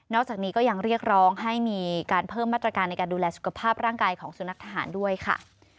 จากนี้ก็ยังเรียกร้องให้มีการเพิ่มมาตรการในการดูแลสุขภาพร่างกายของสุนัขทหารด้วยค่ะ